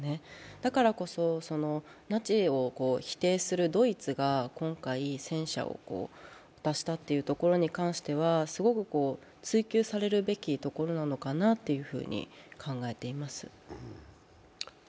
だからこそ、ナチを否定するドイツが今回戦車を出したというところに関してはすごく追及されるべきところなのかなと考えています。